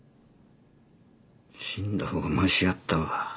死んだ方がましやったわ。